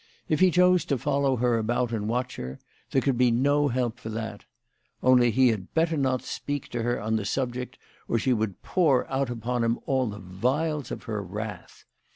If he chose to follow her about and watch her, there could be no help for that. Only he had better not speak to her on the sub ject, or she would pour out upon him all the vials of her wrath